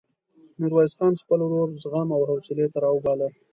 ميرويس خان خپل ورور زغم او حوصلې ته راوباله.